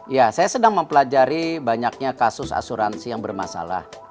ya saya sedang mempelajari banyaknya kasus asuransi yang bermasalah